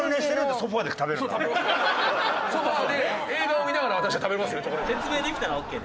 ソファで映画を見ながら私は食べますよチョコレート。